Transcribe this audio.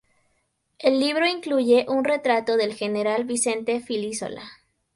El libro incluye un retrato del General Vicente Filísola.